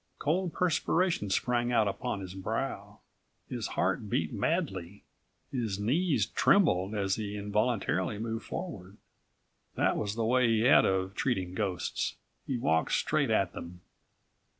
Cold perspiration sprang out upon his brow, his heart beat madly, his knees trembled as he involuntarily moved forward. That was the way he had of treating ghosts; he walked straight at them.